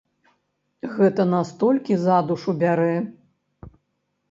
Гэта настолькі за душу бярэ!